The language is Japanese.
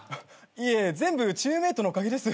いえ全部チームメートのおかげです。